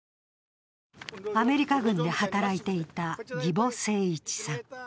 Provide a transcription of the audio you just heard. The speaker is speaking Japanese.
アメリカ軍で働いていた儀保盛市さん。